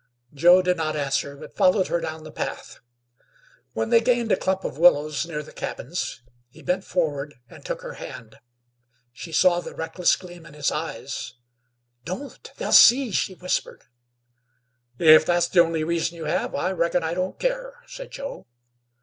Joe did not answer; but followed her down the path. When they gained a clump of willows near the cabins he bent forward and took her hand. She saw the reckless gleam in his eyes. "Don't. They'll see," she whispered. "If that's the only reason you have, I reckon I don't care," said Joe.